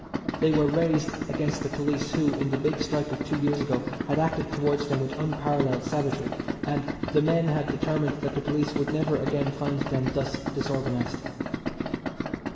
They were raised against the police who, in the big strike of two years ago, had acted towards them with unparallelled savagery, and the men had determined that the police would never again find them thus disorganised.